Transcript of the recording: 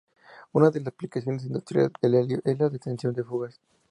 Una de las aplicaciones industriales del helio es la detección de fugas.